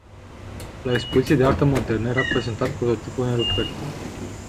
La o expoziție de artă modernă, era prezentat prototipul unei lucrări.